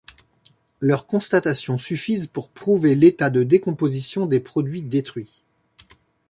Leurs constatations suffisent pour prouver l'état de décomposition des produits détruits.